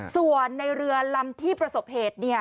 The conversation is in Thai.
ส่วนในเรือลำที่ประสบเหตุ